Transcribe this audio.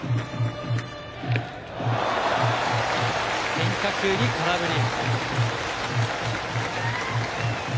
変化球に空振り。